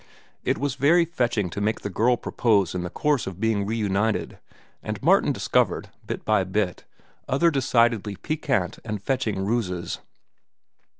It was very fetching to make the girl propose in the course of being reunited, and Martin discovered, bit by bit, other decidedly piquant and fetching ruses.